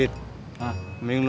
harusnya tuh gue yang nemenin kak aldo